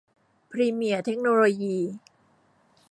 พรีเมียร์ เทคโนโลยี